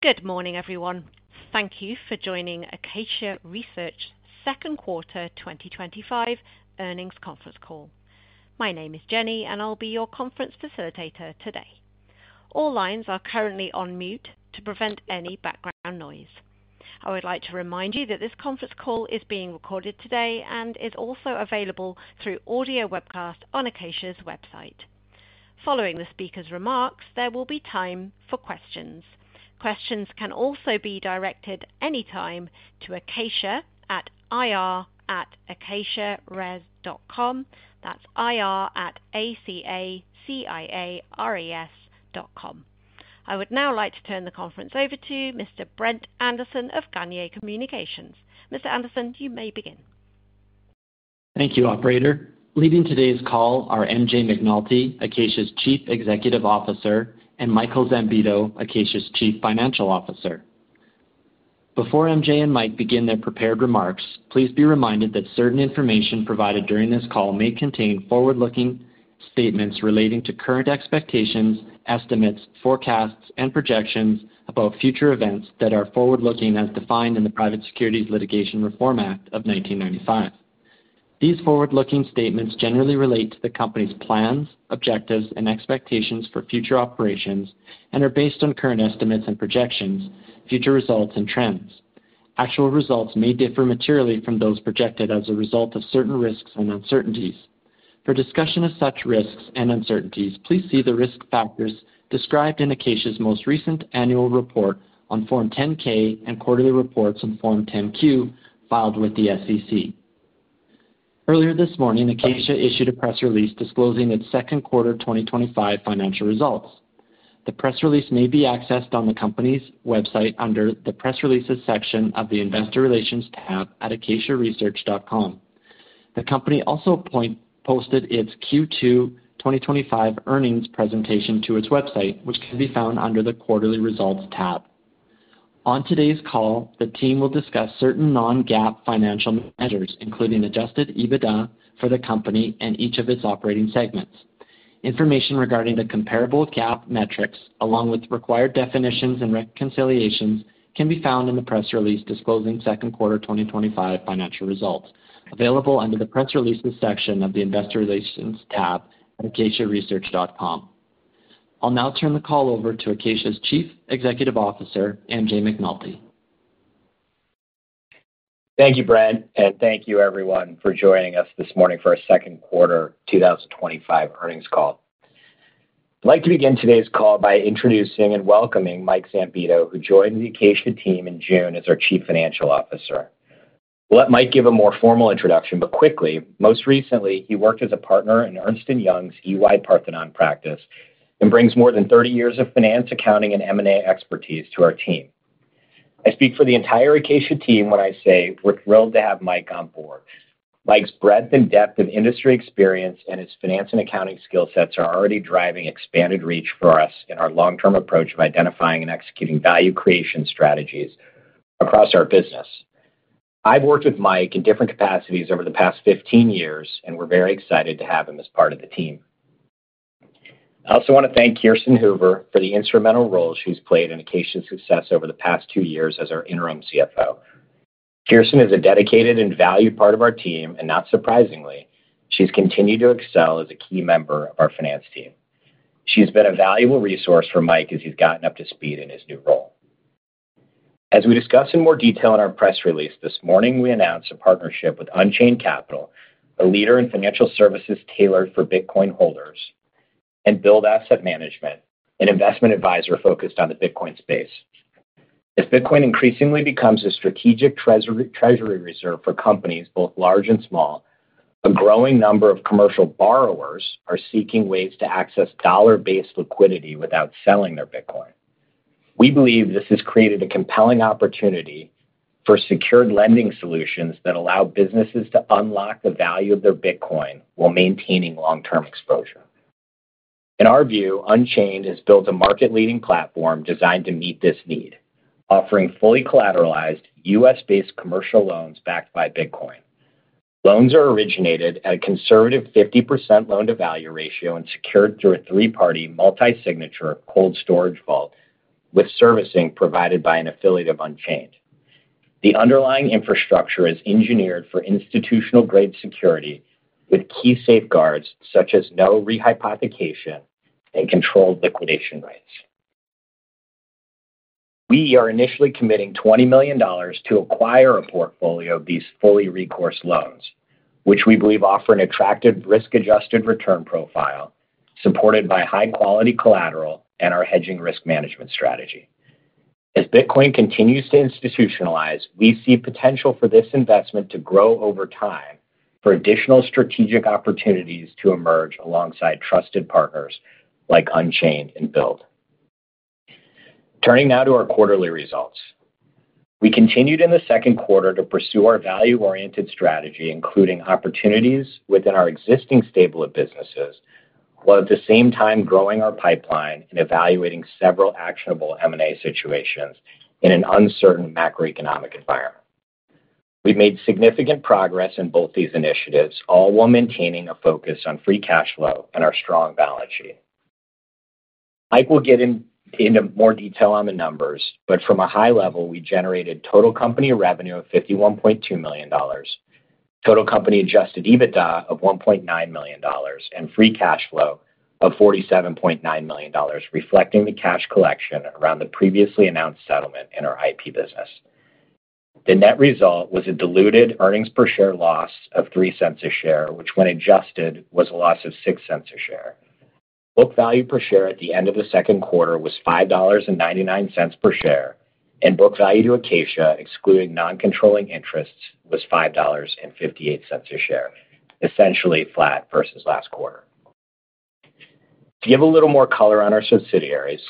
Good morning, everyone. Thank you for joining Acacia Research's second quarter 2025 earnings conference call. My name is Jenny, and I'll be your conference facilitator today. All lines are currently on mute to prevent any background noise. I would like to remind you that this conference call is being recorded today and is also available through audio webcast on Acacia's website. Following the speaker's remarks, there will be time for questions. Questions can also be directed anytime to ir@acaciares.com. I would now like to turn the conference over to Mr. Brent Anderson of Gagnier Communications. Mr. Anderson, you may begin. Thank you, operator. Leading today's call are MJ McNulty, Acacia's Chief Executive Officer, and Michael Zambito, Acacia's Chief Financial Officer. Before MJ and Mike begin their prepared remarks, please be reminded that certain information provided during this call may contain forward-looking statements relating to current expectations, estimates, forecasts, and projections about future events that are forward-looking as defined in the Private Securities Litigation Reform Act of 1995. These forward-looking statements generally relate to the company's plans, objectives, and expectations for future operations and are based on current estimates and projections, future results, and trends. Actual results may differ materially from those projected as a result of certain risks and uncertainties. For discussion of such risks and uncertainties, please see the risk factors described in Acacia's most recent annual report on Form 10-K and quarterly reports on Form 10-Q filed with the SEC. Earlier this morning, Acacia issued a press release disclosing its second quarter 2025 financial results. The press release may be accessed on the company's website under the Press Releases section of the Investor Relations tab at acaciaresearch.com. The company also posted its Q2 2025 earnings presentation to its website, which can be found under the Quarterly Results tab. On today's call, the team will discuss certain non-GAAP financial measures, including adjusted EBITDA for the company and each of its operating segments. Information regarding the comparable GAAP metrics, along with required definitions and reconciliations, can be found in the press release disclosing second quarter 2025 financial results, available under the Press Releases section of the Investor Relations tab at acaciaresearch.com. I'll now turn the call over to Acacia's Chief Executive Officer, MJ McNulty. Thank you, Brent, and thank you, everyone, for joining us this morning for our second quarter 2025 earnings call. I'd like to begin today's call by introducing and welcoming Mike Zambito, who joined the Acacia team in June as our Chief Financial Officer. We'll let Mike give a more formal introduction, but quickly, most recently, he worked as a partner in Ernst & Young's EY-Parthenon practice and brings more than 30 years of finance, accounting, and M&A expertise to our team. I speak for the entire Acacia team when I say we're thrilled to have Mike on board. Mike's breadth and depth of industry experience and his finance and accounting skill sets are already driving expanded reach for us in our long-term approach of identifying and executing value creation strategies across our business. ve worked with Mike in different capacities over the past 15 years, and we're very excited to have him as part of the team. I also want to thank Kirsten Hoover for the instrumental role she's played in Acacia's success over the past two years as our Interim CFO. Kirsten is a dedicated and valued part of our team, and not surprisingly, she's continued to excel as a key member of our finance team. She's been a valuable resource for Mike as he's gotten up to speed in his new role. As we discuss in more detail in our press release this morning, we announced a partnership with Unchained Capital, a leader in financial services tailored for Bitcoin holders, and Build Asset Management, an investment advisor focused on the Bitcoin space. As Bitcoin increasingly becomes a strategic treasury reserve for companies, both large and small, a growing number of commercial borrowers are seeking ways to access dollar-based liquidity without selling their Bitcoin. We believe this has created a compelling opportunity for secured lending solutions that allow businesses to unlock the value of their Bitcoin while maintaining long-term exposure. In our view, Unchained has built a market-leading platform designed to meet this need, offering fully collateralized U.S.-based commercial loans backed by Bitcoin. Loans are originated at a conservative 50% loan-to-value ratio and secured through a three-party Multi-Signature Cold Storage vault with servicing provided by an affiliate of Unchained. The underlying infrastructure is engineered for institutional-grade security with key safeguards such as no rehypothecation and controlled liquidation rates. We are initially committing $20 million to acquire a portfolio of these fully recourse loans, which we believe offer an attractive risk-adjusted return profile supported by high-quality collateral and our hedging risk management strategy. As Bitcoin continues to institutionalize, we see potential for this investment to grow over time for additional strategic opportunities to emerge alongside trusted partners like Unchained and Build. Turning now to our quarterly results, we continued in the second quarter to pursue our value-oriented strategy, including opportunities within our existing stable of businesses, while at the same time growing our pipeline and evaluating several actionable M&A situations in an uncertain macroeconomic environment. We've made significant progress in both these initiatives, all while maintaining a focus on free cash flow and our strong balance sheet. Mike will get into more detail on the numbers, but from a high level, we generated total company revenue of $51.2 million, total company adjusted EBITDA of $1.9 million, and free cash flow of $47.9 million, reflecting the cash collection around the previously announced settlement in our IP business. The net result was a diluted earnings per share loss of $0.03 a share, which when adjusted was a loss of $0.06 a share. Book value per share at the end of the second quarter was $5.99 per share, and book value to Acacia, excluding non-controlling interests, was $5.58 a share, essentially flat versus last quarter. To give a little more color on our subsidiaries,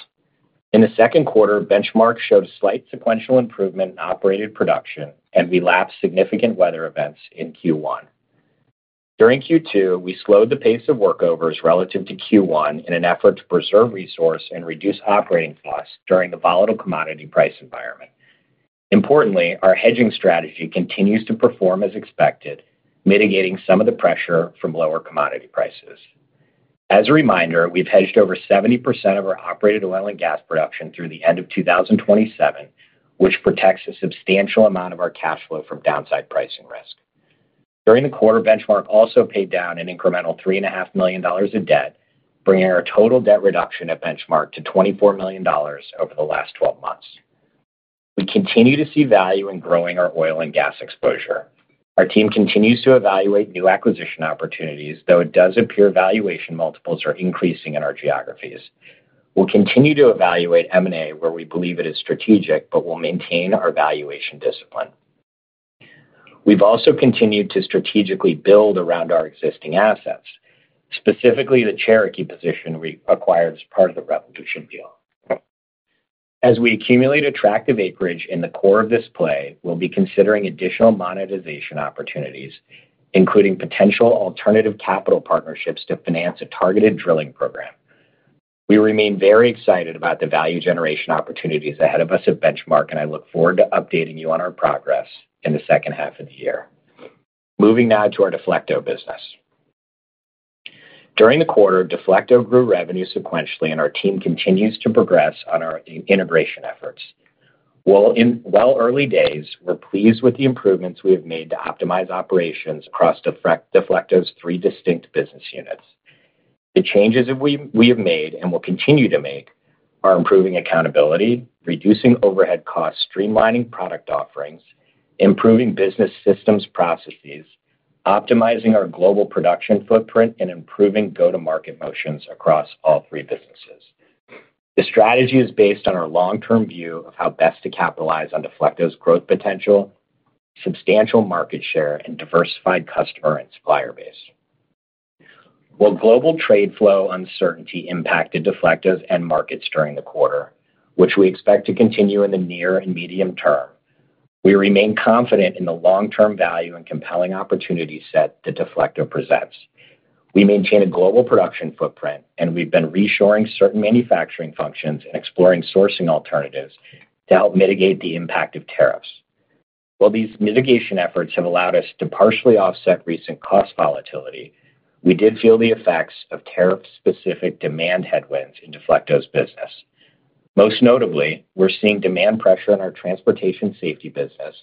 in the second quarter, Benchmark showed a slight sequential improvement in operated production, and we lapped significant weather events in Q1. During Q2, we slowed the pace of workovers relative to Q1 in an effort to preserve resource and reduce operating costs during the volatile commodity price environment. Importantly, our hedging strategy continues to perform as expected, mitigating some of the pressure from lower commodity prices. As a reminder, we've hedged over 70% of our operated oil and gas production through the end of 2027, which protects a substantial amount of our cash flow from downside pricing risk. During the quarter, Benchmark also paid down an incremental $3.5 million of debt, bringing our total debt reduction at Benchmark to $24 million over the last 12 months. We continue to see value in growing our oil and gas exposure. Our team continues to evaluate new acquisition opportunities, though it does appear valuation multiples are increasing in our geographies. We'll continue to evaluate M&A where we believe it is strategic, but we'll maintain our valuation discipline. We've also continued to strategically build around our existing assets, specifically the Cherokee position we acquired as part of the Revolution deal. As we accumulate attractive acreage in the core of this play, we'll be considering additional monetization opportunities, including potential alternative capital partnerships to finance a targeted drilling program. We remain very excited about the value generation opportunities ahead of us at Benchmark and I look forward to updating you on our progress in the second half of the year. Moving now to our Deflecto business. During the quarter, Deflecto grew revenue sequentially, and our team continues to progress on our integration efforts. While in early days, we're pleased with the improvements we have made to optimize operations across Deflecto's three distinct business units. The changes we have made and will continue to make are improving accountability, reducing overhead costs, streamlining product offerings, improving business systems processes, optimizing our global production footprint, and improving go-to-market motions across all three businesses. The strategy is based on our long-term view of how best to capitalize on Deflecto's growth potential, substantial market share, and diversified customer and supplier base. While global trade flow uncertainty impacted Deflecto's end markets during the quarter, which we expect to continue in the near and medium term, we remain confident in the long-term value and compelling opportunity set that Deflecto presents. We maintain a global production footprint, and we've been reshoring certain manufacturing functions and exploring sourcing alternatives to help mitigate the impact of tariffs. While these mitigation efforts have allowed us to partially offset recent cost volatility, we did feel the effects of tariff-specific demand headwinds in Deflecto's business. Most notably, we're seeing demand pressure in our transportation safety business,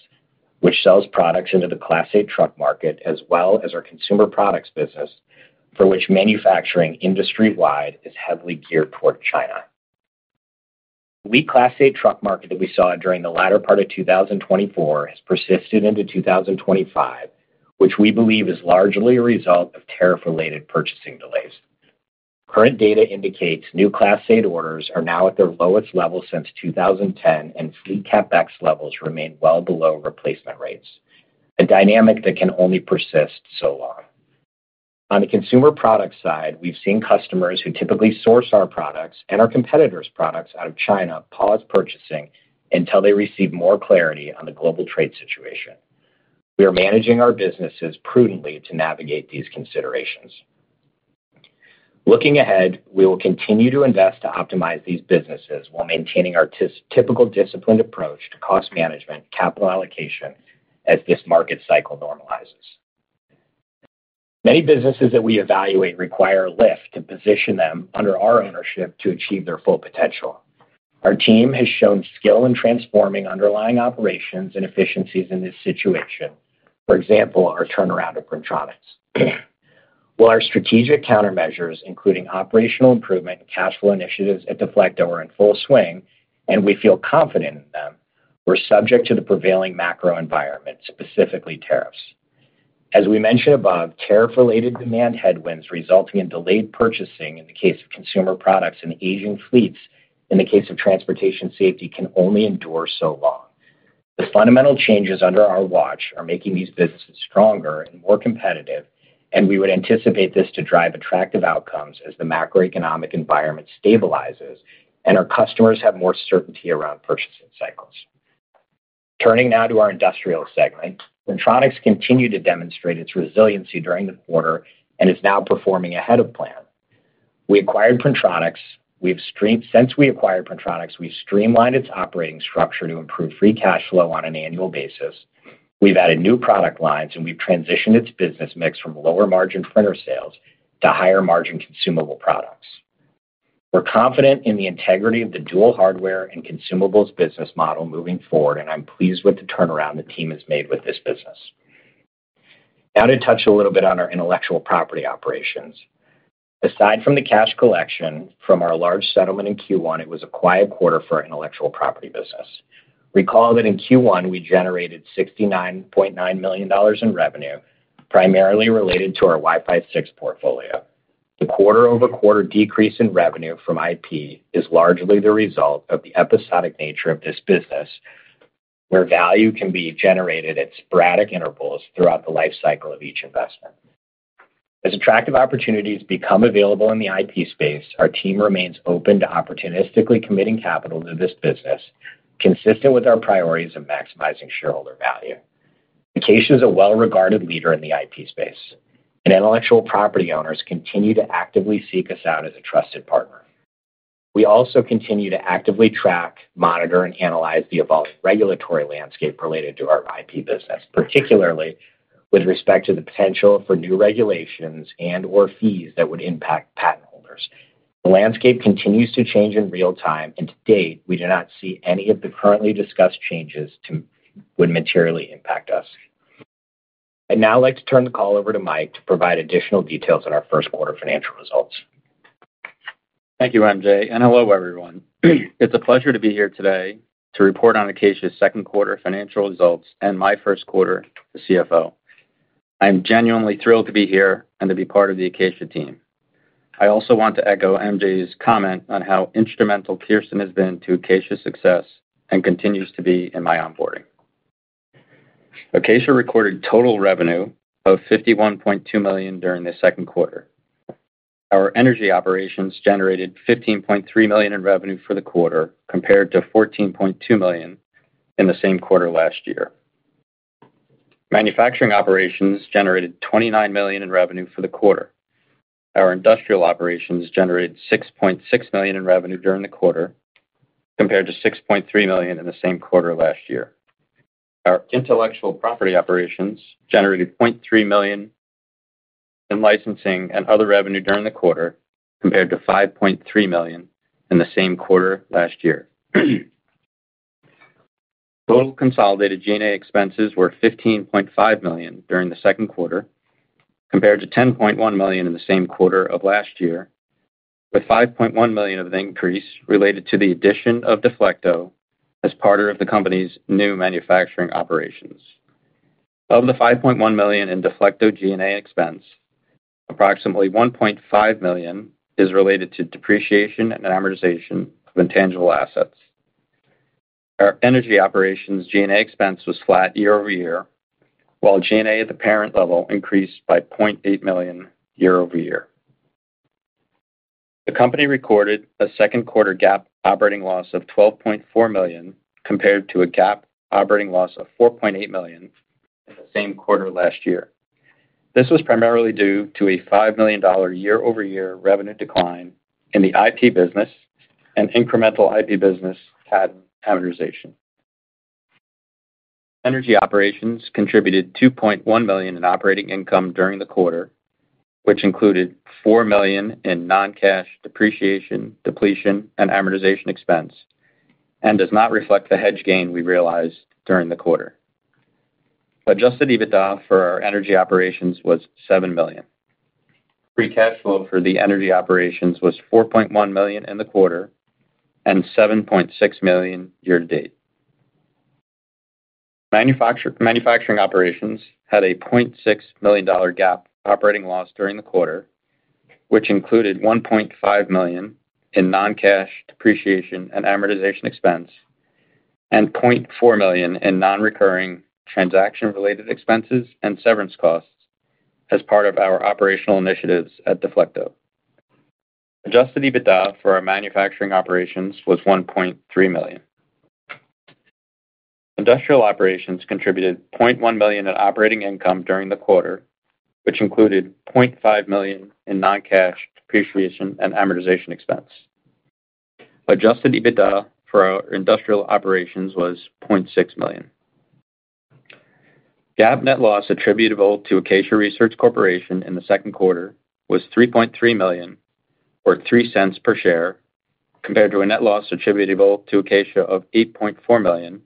which sells products into the Class 8 Truck Market, as well as our consumer products business, for which manufacturing industry-wide is heavily geared toward China. The lead Class 8 Truck Market that we saw during the latter part of 2024 has persisted into 2025, which we believe is largely a result of tariff-related purchasing delays. Current data indicates new Class 8 orders are now at their lowest level since 2010, and fleet CapEx levels remain well below replacement rates, a dynamic that can only persist so long. On the consumer products side, we've seen customers who typically source our products and our competitors' products out of China pause purchasing until they receive more clarity on the global trade situation. We are managing our businesses prudently to navigate these considerations. Looking ahead, we will continue to invest to optimize these businesses while maintaining our typical disciplined approach to cost management and capital allocation as this market cycle normalizes. Many businesses that we evaluate require a lift to position them under our ownership to achieve their full potential. Our team has shown skill in transforming underlying operations and efficiencies in this situation. For example, our turnaround of Deflecto. While our strategic countermeasures, including operational improvement and cash flow initiatives at Deflecto, are in full swing and we feel confident in them, we're subject to the prevailing macro environment, specifically tariffs. As we mentioned above, tariff-related demand headwinds resulting in delayed purchasing in the case of consumer products and aging fleets in the case of transportation safety can only endure so long. The fundamental changes under our watch are making these businesses stronger and more competitive, and we would anticipate this to drive attractive outcomes as the macroeconomic environment stabilizes and our customers have more certainty around purchasing cycles. Turning now to our industrial segment, Printronix continued to demonstrate its resiliency during the quarter and is now performing ahead of plan. Since we acquired Printronix, we've streamlined its operating structure to improve free cash flow on an annual basis. We've added new product lines and we've transitioned its business mix from lower margin printer sales to higher margin consumable products. We're confident in the integrity of the dual hardware and consumables business model moving forward, and I'm pleased with the turnaround the team has made with this business. Now to touch a little bit on our intellectual property operations. Aside from the cash collection from our large settlement in Q1, it was a quiet quarter for our intellectual property business. Recall that in Q1, we generated $69.9 million in revenue, primarily related to our Wi-Fi 6 portfolio. The quarter-over-quarter decrease in revenue from IP is largely the result of the episodic nature of this business, where value can be generated at sporadic intervals throughout the lifecycle of each investment. As attractive opportunities become available in the IP space, our team remains open to opportunistically committing capital to this business, consistent with our priorities of maximizing shareholder value. Acacia is a well-regarded leader in the IP space, and intellectual property owners continue to actively seek us out as a trusted partner. We also continue to actively track, monitor, and analyze the evolving regulatory landscape related to our IP business, particularly with respect to the potential for new regulations and/or fees that would impact patent holders. The landscape continues to change in real time, and to date, we do not see any of the currently discussed changes to materially impact us. I'd now like to turn the call over to Mike to provide additional details on our first quarter financial results. Thank you, MJ, and hello, everyone. It's a pleasure to be here today to report on Acacia's second quarter financial results and my first quarter as CFO. I am genuinely thrilled to be here and to be part of the Acacia team. I also want to echo MJ's comment on how instrumental Kirsten has been to Acacia's success and continues to be in my onboarding. Acacia recorded total revenue of $51.2 million during the second quarter. Our energy operations generated $15.3 million in revenue for the quarter, compared to $14.2 million in the same quarter last year. Manufacturing operations generated $29 million in revenue for the quarter. Our industrial operations generated $6.6 million in revenue during the quarter, compared to $6.3 million in the same quarter last year. Our intellectual property operations generated $0.3 million in licensing and other revenue during the quarter, compared to $5.3 million in the same quarter last year. Total consolidated G&A expenses were $15.5 million during the second quarter, compared to $10.1 million in the same quarter of last year, with $5.1 million of the increase related to the addition of Deflecto as part of the company's new manufacturing operations. Of the $5.1 million in Deflecto G&A expense, approximately $1.5 million is related to depreciation and amortization of intangible assets. Our energy operations G&A expense was flat year-over-year, while G&A at the parent level increased by $0.8 million year-over-year. The company recorded a second quarter GAAP operating loss of $12.4 million compared to a GAAP operating loss of $4.8 million in the same quarter last year. This was primarily due to a $5 million year-over-year revenue decline in the IP business and incremental IP business patent amortization. Energy operations contributed $2.1 million in operating income during the quarter, which included $4 million in non-cash depreciation, depletion, and amortization expense and does not reflect the hedge gain we realized during the quarter. Adjusted EBITDA for our energy operations was $7 million. Free cash flow for the energy operations was $4.1 million in the quarter and $7.6 million year to date. Manufacturing operations had a $0.6 million GAAP operating loss during the quarter, which included $1.5 million in non-cash depreciation and amortization expense and $0.4 million in non-recurring transaction-related expenses and severance costs as part of our operational initiatives at Deflecto. Adjusted EBITDA for our manufacturing operations was $1.3 million. Industrial operations contributed $0.1 million in operating income during the quarter, which included $0.5 million in non-cash depreciation and amortization expense. Adjusted EBITDA for our industrial operations was $0.6 million. GAAP net loss attributable to Acacia Research Corporation in the second quarter was $3.3 million or $0.03 per share, compared to a net loss attributable to Acacia of $8.4 million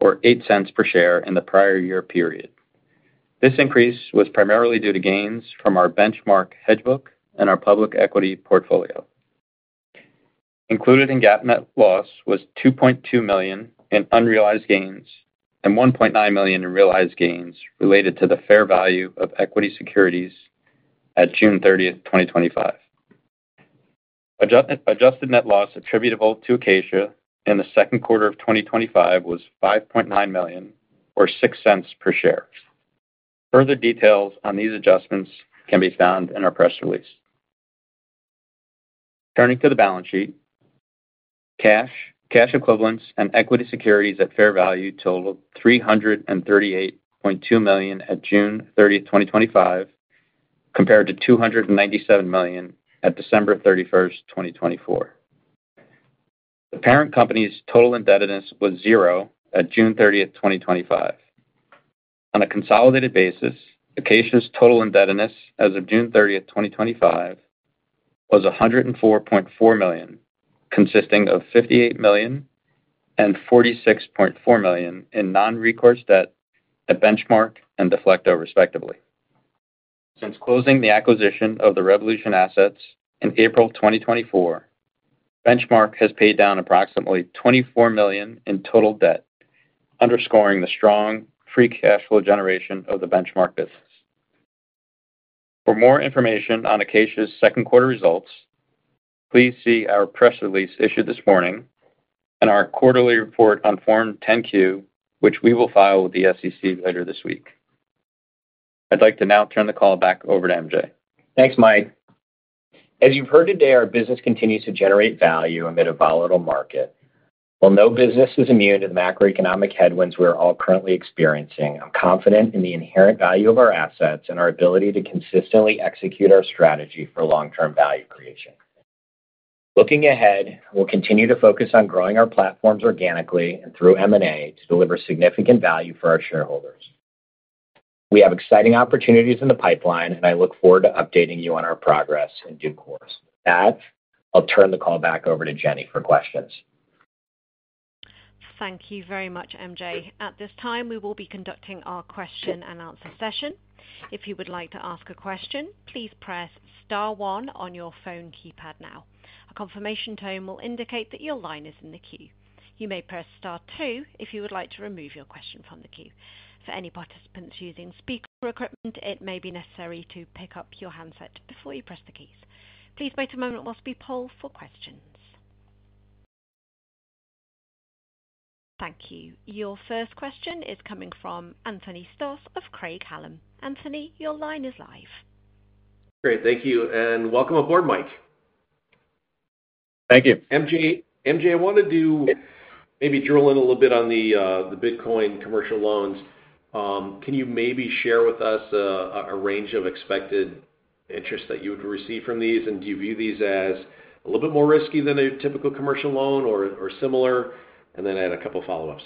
or $0.08 per share in the prior year period. This increase was primarily due to gains from our Benchmark hedge book and our public equity portfolio. Included in GAAP net loss was $2.2 million in unrealized gains and $1.9 million in realized gains related to the fair value of equity securities at June 30, 2025. Adjusted net loss attributable to Acacia in the second quarter of 2025 was $5.9 million or $0.06 per share. Further details on these adjustments can be found in our press release. Turning to the balance sheet, cash equivalents and equity securities at fair value totaled $338.2 million at June 30, 2025, compared to $297 million at December 31st, 2024. The parent company's total indebtedness was zero at June 30, 2025. On a consolidated basis, Acacia's total indebtedness as of June 30, 2025 was $104.4 million, consisting of $58 million and $46.4 million in non-recourse debt at Benchmark and Deflecto, respectively. Since closing the acquisition of the Revolution assets in April 2024, Benchmark has paid down approximately $24 million in total debt, underscoring the strong free cash flow generation of the Benchmark business. For more information on Acacia's second quarter results, please see our press release issued this morning and our quarterly report on Form 10-Q, which we will file with the SEC later this week. I'd like to now turn the call back over to MJ. Thanks, Mike. As you've heard today, our business continues to generate value amid a volatile market. While no business is immune to the macroeconomic headwinds we're all currently experiencing, I'm confident in the inherent value of our assets and our ability to consistently execute our strategy for long-term value creation. Looking ahead, we'll continue to focus on growing our platforms organically and through M&A to deliver significant value for our shareholders. We have exciting opportunities in the pipeline, and I look forward to updating you on our progress in due course. With that, I'll turn the call back over to Jenny for questions. Thank you very much, MJ. At this time, we will be conducting our question and answer session. If you would like to ask a question, please press star one on your phone keypad now. A confirmation tone will indicate that your line is in the queue. You may press star two if you would like to remove your question from the queue. For any participants using speaker equipment, it may be necessary to pick up your handset before you press the keys. Please wait a moment while we poll for questions. Thank you. Your first question is coming from Anthony Stoss of Craig-Hallum. Anthony, your line is live. Great, thank you, and welcome aboard, Mike. Thank you. MJ, I wanted to maybe drill in a little bit on the Bitcoin commercial loans. Can you maybe share with us a range of expected interest that you would receive from these? Do you view these as a little bit more risky than a typical commercial loan or similar? I had a couple of follow-ups.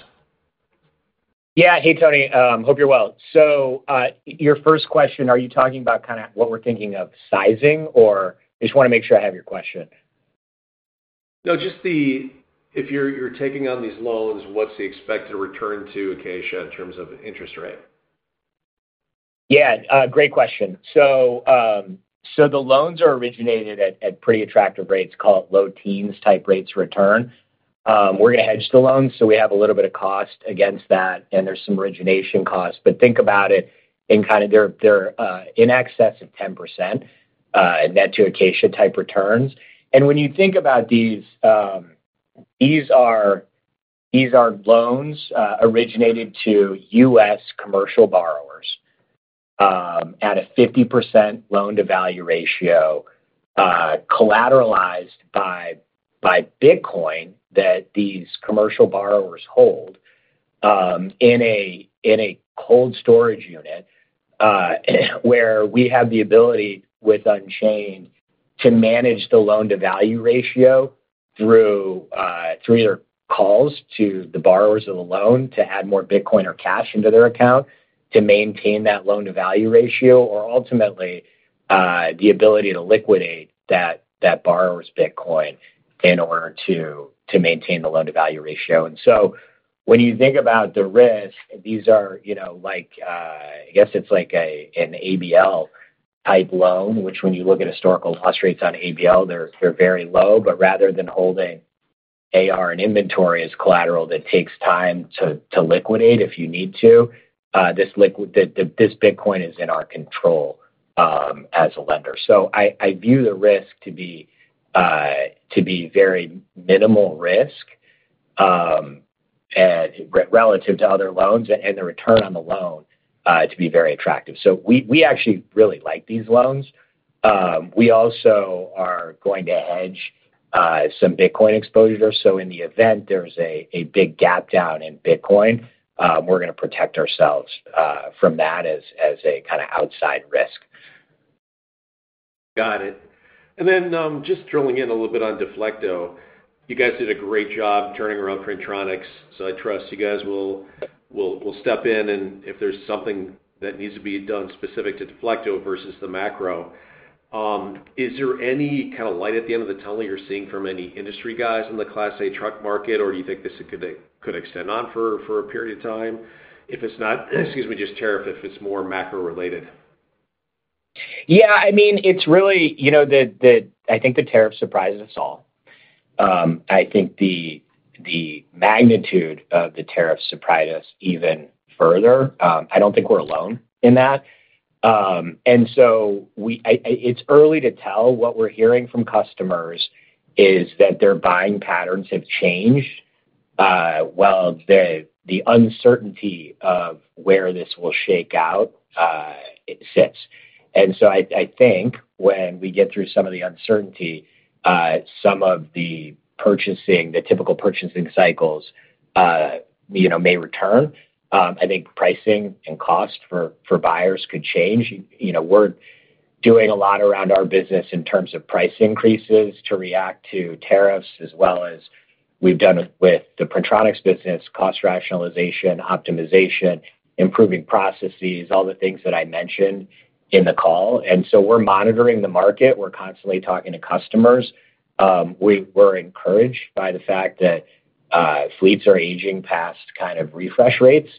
Yeah, hey, Tony, hope you're well. Your first question, are you talking about kind of what we're thinking of sizing? I just want to make sure I have your question. If you're taking on these loans, what's the expected return to Acacia in terms of interest rate? Yeah, great question. The loans are originated at pretty attractive rates, call it low teens type rates of return. We're going to hedge the loans, so we have a little bit of cost against that, and there's some origination cost. Think about it in kind of they're in excess of 10% net to Acacia type returns. When you think about these, these are loans originated to U.S. commercial borrowers at a 50% loan-to-value ratio collateralized by Bitcoin that these commercial borrowers hold in a cold storage unit where we have the ability with Unchained to manage the loan-to-value ratio through their calls to the borrowers of the loan to add more Bitcoin or cash into their account to maintain that loan-to-value ratio or ultimately the ability to liquidate that borrower's Bitcoin in order to maintain the loan-to-value ratio. When you think about the risk, these are, you know, like, I guess it's like an ABL type loan, which when you look at historical loss rates on ABL, they're very low. Rather than holding AR in inventory as collateral that takes time to liquidate if you need to, this Bitcoin is in our control as a lender. I view the risk to be very minimal risk relative to other loans and the return on the loan to be very attractive. We actually really like these loans. We also are going to hedge some Bitcoin exposure. In the event there's a big gap down in Bitcoin, we're going to protect ourselves from that as a kind of outside risk. Got it. Just drilling in a little bit on Deflecto, you guys did a great job turning around Printronix. I trust you guys will step in and if there's something that needs to be done specific to Deflecto versus the macro, is there any kind of light at the end of the tunnel you're seeing from any industry guys in the Class 8 Truck Market, or do you think this could extend on for a period of time? If it's not, excuse me, just tariff, if it's more macro related. Yeah, I mean, it's really, you know, I think the tariff surprised us all. I think the magnitude of the tariff surprised us even further. I don't think we're alone in that. It's early to tell. What we're hearing from customers is that their buying patterns have changed while the uncertainty of where this will shake out sits. I think when we get through some of the uncertainty, some of the purchasing, the typical purchasing cycles, may return. I think pricing and cost for buyers could change. We're doing a lot around our business in terms of price increases to react to tariffs, as well as we've done with the Printronix business, cost rationalization, optimization, improving processes, all the things that I mentioned in the call. We're monitoring the market. We're constantly talking to customers. We're encouraged by the fact that fleets are aging past kind of refresh rates.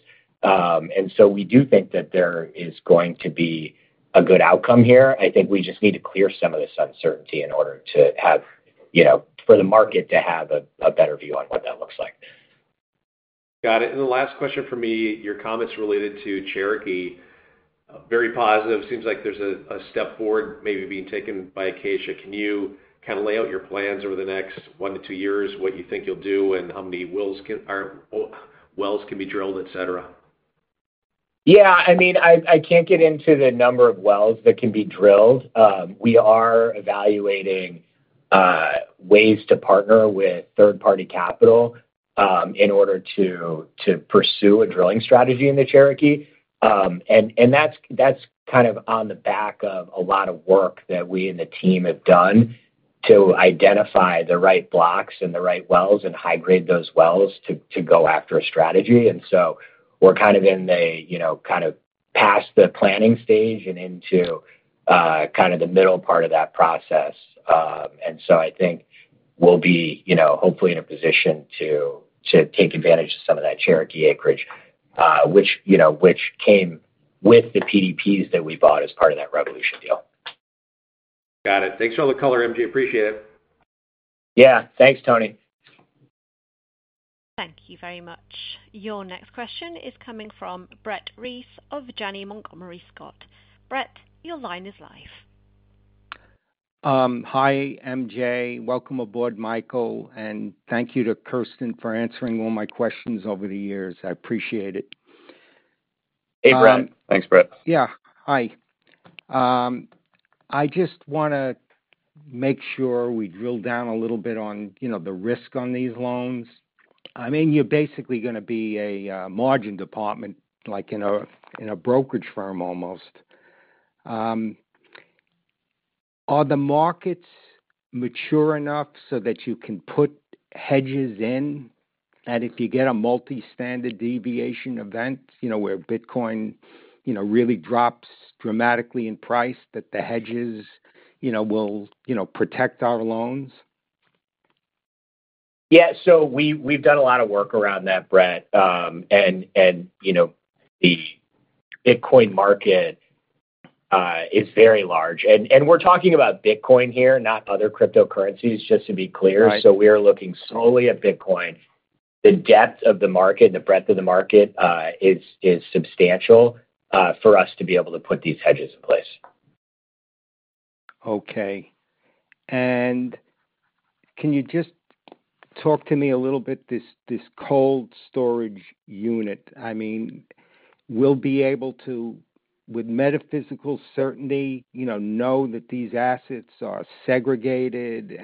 We do think that there is going to be a good outcome here. I think we just need to clear some of this uncertainty in order for the market to have a better view on what that looks like. Got it. The last question for me, your comments related to Cherokee, very positive. It seems like there's a step forward maybe being taken by Acacia. Can you kind of lay out your plans over the next one to two years, what you think you'll do, and how many wells can be drilled, etc.? Yeah, I mean, I can't get into the number of wells that can be drilled. We are evaluating ways to partner with third-party capital in order to pursue a drilling strategy in the Cherokee. That's on the back of a lot of work that we and the team have done to identify the right blocks and the right wells and high grade those wells to go after a strategy. We're past the planning stage and into the middle part of that process. I think we'll be, hopefully, in a position to take advantage of some of that Cherokee acreage, which came with the PDPs that we bought as part of that Revolution deal. Got it. Thanks for all the color, MJ. Appreciate it. Yeah, thanks, Tony. Thank you very much. Your next question is coming from Brett Reiss of Janney Montgomery Scott. Brett, your line is live. Hi, MJ. Welcome aboard, Michael. Thank you to Kirsten for answering all my questions over the years. I appreciate it. Hey, Brett. Thanks, Brett. Yeah, hi. I just want to make sure we drill down a little bit on, you know, the risk on these loans. I mean, you're basically going to be a margin department, like in a brokerage firm almost. Are the markets mature enough so that you can put hedges in? If you get a multi-standard deviation event, you know, where Bitcoin, you know, really drops dramatically in price, that the hedges, you know, will, you know, protect our loans? Yeah, we've done a lot of work around that, Brett. You know, the Bitcoin market is very large. We're talking about Bitcoin here, not other cryptocurrencies, just to be clear. We are looking solely at Bitcoin. The depth of the market and the breadth of the market is substantial for us to be able to put these hedges in place. Okay. Can you just talk to me a little bit about this cold storage unit? I mean, we'll be able to, with metaphysical certainty, know that these assets are segregated.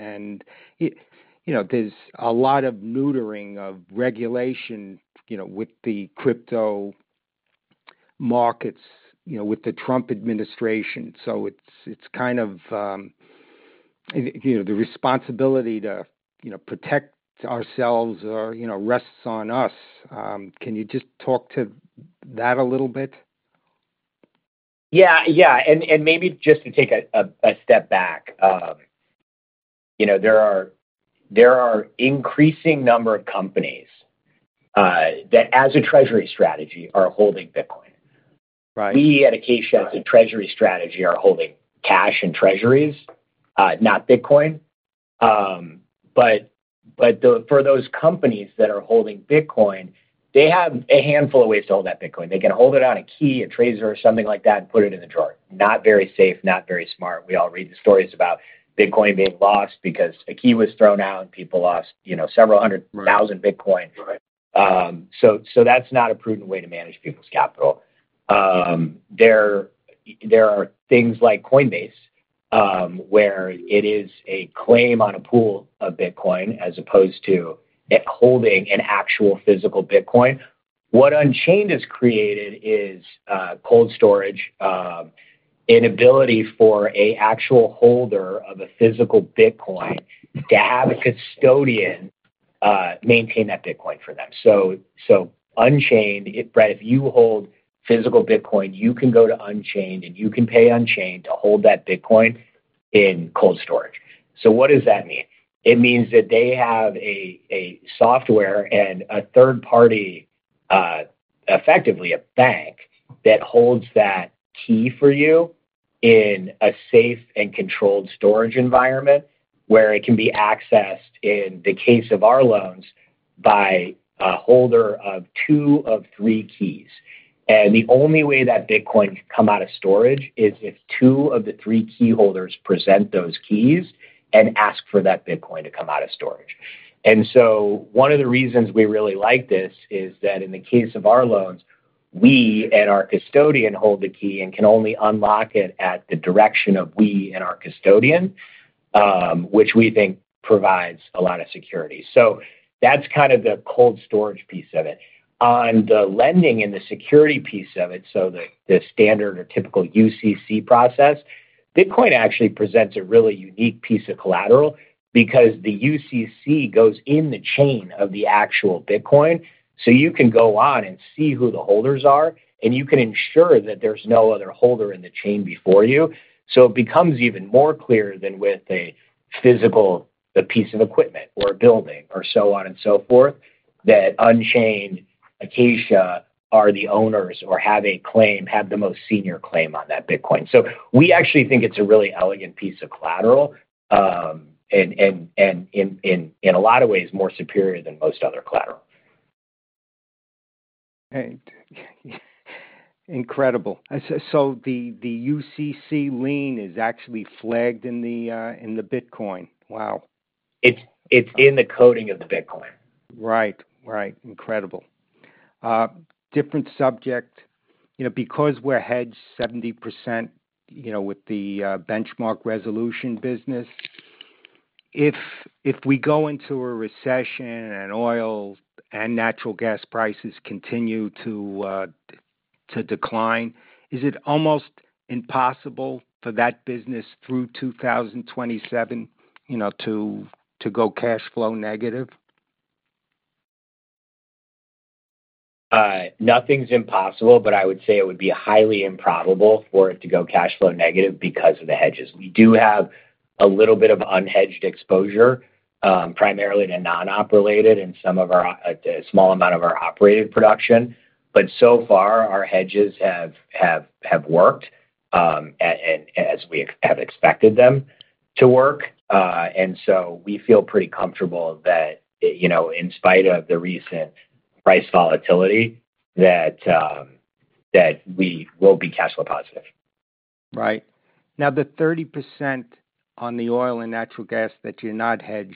There's a lot of neutering of regulation with the crypto markets, with the Trump administration. It is kind of the responsibility to protect ourselves or, you know, rests on us. Can you just talk to that a little bit? Maybe just to take a step back, you know, there are an increasing number of companies that, as a treasury strategy, are holding Bitcoin. Right. We at Acacia, as a treasury strategy, are holding cash and treasuries, not Bitcoin. For those companies that are holding Bitcoin, they have a handful of ways to hold that Bitcoin. They can hold it on a key, a Trezor, or something like that and put it in the drawer. Not very safe, not very smart. We all read the stories about Bitcoin being lost because a key was thrown out and people lost, you know, several hundred thousand Bitcoin. Right. That's not a prudent way to manage people's capital. There are things like Coinbase where it is a claim on a pool of Bitcoin as opposed to holding an actual physical Bitcoin. What Unchained has created is cold storage, an ability for an actual holder of a physical Bitcoin to have a custodian maintain that Bitcoin for them. If Brett, if you hold physical Bitcoin, you can go to Unchained and you can pay Unchained to hold that Bitcoin in cold storage. What does that mean? It means that they have a software and a third party, effectively a bank, that holds that key for you in a safe and controlled storage environment where it can be accessed, in the case of our loans, by a holder of two of three keys. The only way that Bitcoin can come out of storage is if two of the three key holders present those keys and ask for that Bitcoin to come out of storage. One of the reasons we really like this is that in the case of our loans, we and our custodian hold the key and can only unlock it at the direction of we and our custodian, which we think provides a lot of security. That's kind of the cold storage piece of it. On the lending and the security piece of it, the standard or typical UCC process, Bitcoin actually presents a really unique piece of collateral because the UCC goes in the chain of the actual Bitcoin. You can go on and see who the holders are, and you can ensure that there's no other holder in the chain before you. It becomes even more clear than with a physical piece of equipment or a building or so on and so forth that Unchained, Acacia are the owners or have a claim, have the most senior claim on that Bitcoin. We actually think it's a really elegant piece of collateral and in a lot of ways more superior than most other collateral. Incredible. The UCC lien is actually flagged in the Bitcoin. Wow. It's in the coding of the Bitcoin. Right, right. Incredible. Different subject. You know, because we're hedged 70%, you know, with the Benchmark Resolution business, if we go into a recession and oil and natural gas prices continue to decline, is it almost impossible for that business through 2027, you know, to go cash flow negative? Nothing's impossible, but I would say it would be highly improbable for it to go cash flow negative because of the hedges. We do have a little bit of unhedged exposure, primarily to non-op related and some of our, a small amount of our operating production. Our hedges have worked as we have expected them to work, and we feel pretty comfortable that, you know, in spite of the recent price volatility, we will be cash flow positive. Right. Now, the 30% on the oil and natural gas that you're not hedged,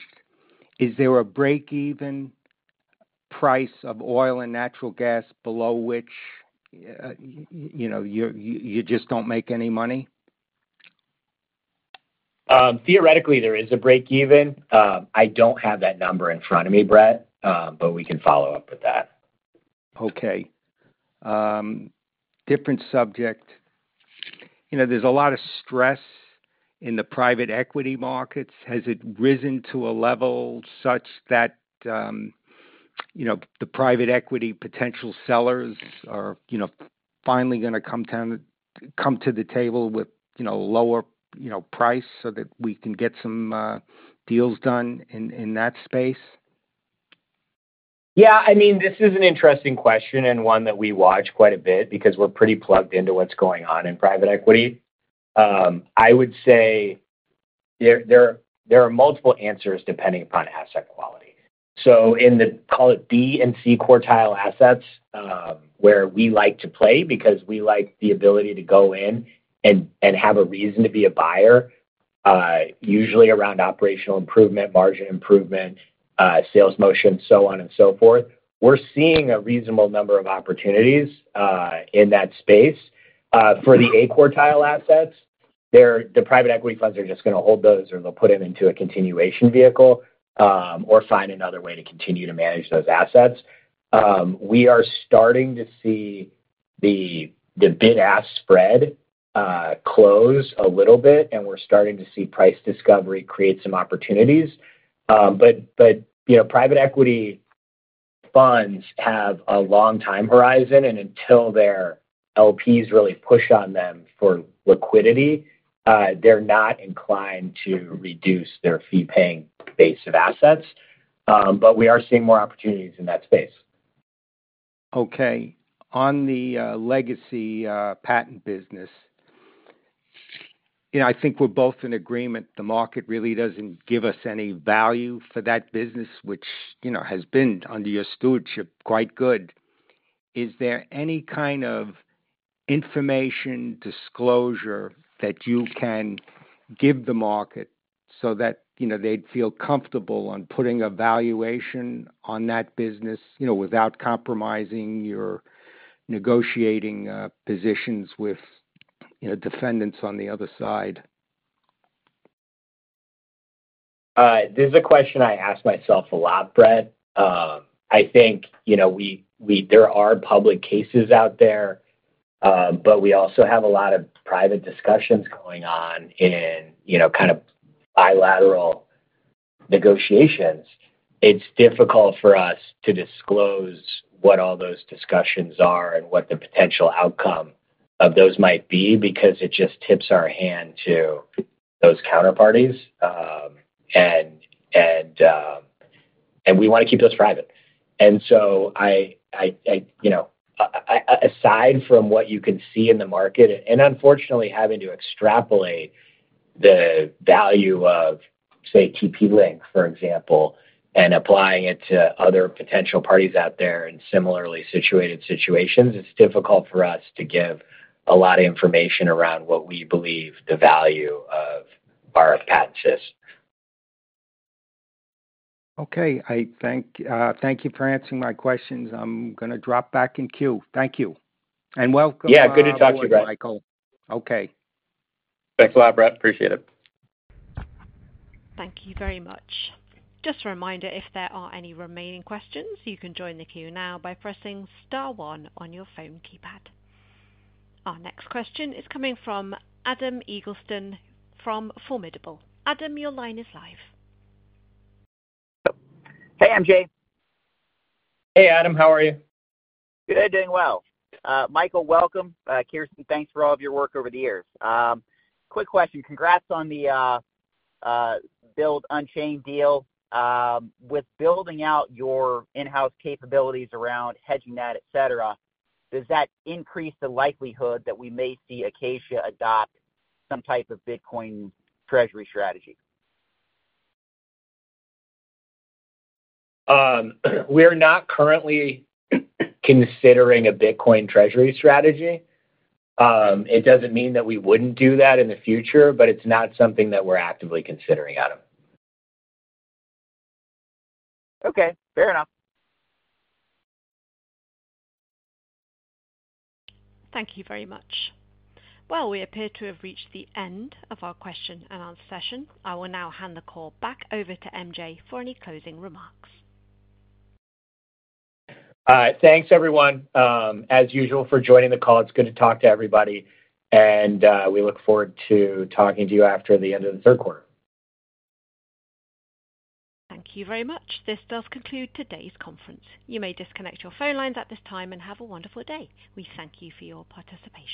is there a break-even price of oil and natural gas below which you just don't make any money? Theoretically, there is a break-even. I don't have that number in front of me, Brett, but we can follow up with that. Okay. Different subject. You know, there's a lot of stress in the private equity markets. Has it risen to a level such that, you know, the private equity potential sellers are finally going to come to the table with lower price so that we can get some deals done in that space? Yeah, I mean, this is an interesting question and one that we watch quite a bit because we're pretty plugged into what's going on in private equity. I would say there are multiple answers depending upon asset quality. In the, call it, B and C quartile assets, where we like to play because we like the ability to go in and have a reason to be a buyer, usually around operational improvement, margin improvement, sales motion, so on and so forth, we're seeing a reasonable number of opportunities in that space. For the A quartile assets, the private equity funds are just going to hold those or they'll put them into a continuation vehicle or find another way to continue to manage those assets. We are starting to see the bid-ask spread close a little bit, and we're starting to see price discovery create some opportunities. Private equity funds have a long time horizon, and until their LPs really push on them for liquidity, they're not inclined to reduce their fee-paying base of assets. We are seeing more opportunities in that space. Okay. On the legacy patent business, I think we're both in agreement the market really doesn't give us any value for that business, which has been under your stewardship quite good. Is there any kind of information disclosure that you can give the market so that they'd feel comfortable on putting a valuation on that business, without compromising your negotiating positions with defendants on the other side? This is a question I ask myself a lot, Brett. I think, you know, there are public cases out there, but we also have a lot of private discussions going on in, you know, kind of bilateral negotiations. It's difficult for us to disclose what all those discussions are and what the potential outcome of those might be because it just tips our hand to those counterparties. We want to keep those private. Aside from what you can see in the market, and unfortunately having to extrapolate the value of, say, TP-Link, for example, and applying it to other potential parties out there in similarly situated situations, it's difficult for us to give a lot of information around what we believe the value of [our patents]. Okay. I thank you for answering my questions. I'm going to drop back in queue. Thank you and welcome. Yeah, good to talk to you, Brett. Michael. Okay. Thanks a lot, Brett. Appreciate it. Thank you very much. Just a reminder, if there are any remaining questions, you can join the queue now by pressing star one on your phone keypad. Our next question is coming from Adam Eagleston from Formidable. Adam, your line is live. Hey, MJ. Hey, Adam. How are you? Good. Doing well. Michael, welcome. Kirsten, thanks for all of your work over the years. Quick question. Congrats on the Build Unchained deal. With building out your in-house capabilities around hedging that, etc., does that increase the likelihood that we may see Acacia adopt some type of Bitcoin treasury strategy? We're not currently considering a Bitcoin treasury strategy. It doesn't mean that we wouldn't do that in the future, but it's not something that we're actively considering, Adam. Okay. Fair enough. Thank you very much. We appear to have reached the end of our question and answer session. I will now hand the call back over to MJ for any closing remarks. Thanks, everyone, as usual, for joining the call. It's good to talk to everybody. We look forward to talking to you after the end of the third quarter. Thank you very much. This does conclude today's conference. You may disconnect your phone lines at this time and have a wonderful day. We thank you for your participation.